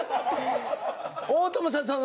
大友さん